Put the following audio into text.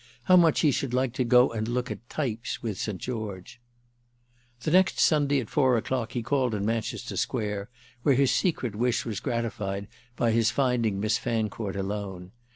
How much he should like to go and look at "types" with St. George! The next Sunday at four o'clock he called in Manchester Square, where his secret wish was gratified by his finding Miss Fancourt alone.